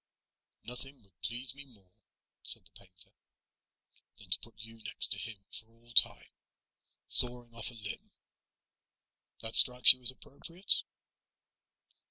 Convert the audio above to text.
"Nothing would please me more," said the painter, "than to put you next to him for all time. Sawing off a limb that strikes you as appropriate?"